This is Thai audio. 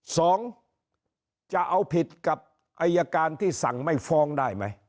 สองจะเอาผิดกับอายการที่สั่งไม่ฟ้องได้ไหม